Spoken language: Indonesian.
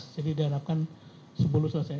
jadi diharapkan sepuluh selesai